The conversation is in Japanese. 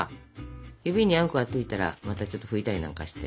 指にあんこがついたらまたちょっと拭いたりなんかして。